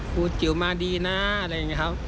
จิ๋วมาดีนะอะไรอย่างนี้ครับ